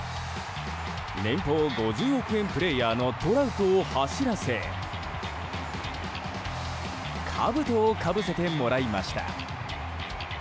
年俸５０億円プレーヤーのトラウトを走らせかぶとをかぶせてもらいました。